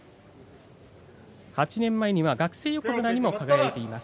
８年前には学生横綱にも輝いています。